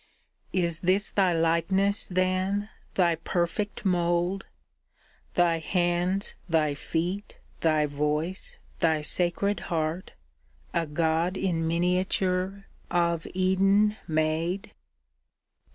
Is this Thy likeness then. Thy perfect mould. Thy hands, Thy feet. Thy voice. Thy sacred heart, A god in miniature, of Eden made?